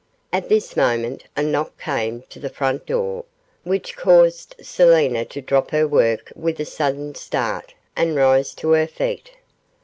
At this moment a knock came to the front door, which caused Selina to drop her work with a sudden start, and rise to her feet.